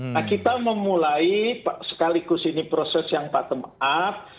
nah kita memulai sekaligus ini proses yang bottom up